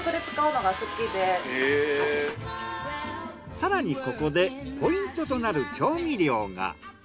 更にここでポイントとなる調味料が。